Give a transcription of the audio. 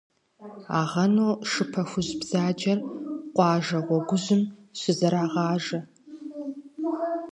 Агъэну шы пэхужь бзаджэр къуажэ гъуэгужьым щызэрагъажэ.